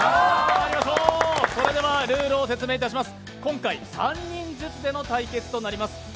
それでは、ルールを説明いたします。